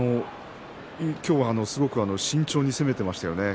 今日はすごく慎重に攻めていましたね。